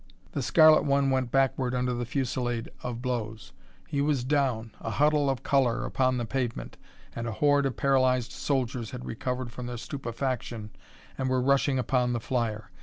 The scarlet one went backward under the fusillade of blows; he was down, a huddle of color upon the pavement, and a horde of paralyzed soldiers had recovered from their stupefaction and were rushing upon the flyer.